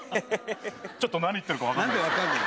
ちょっと何言ってるか分からない。